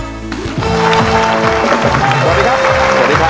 สวัสดีครับ